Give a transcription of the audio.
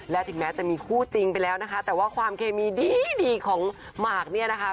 และถึงแม้จะมีคู่จริงไปแล้วนะคะแต่ว่าความเคมีดีของหมากเนี่ยนะคะ